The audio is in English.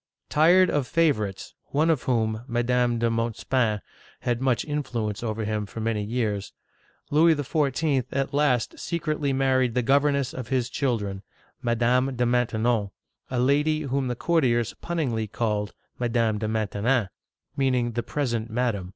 Tired of favorites, — one of whom, Madame de Mon tespan', had much influence over him for many years, — Louis XIV. at last secretly married the governess of his children, Madame de Maintenon '(mix t' ndN'), a lady whom the courtiers punningly called Madame de Main tenant (mSN t' naN')— meaning the present madam.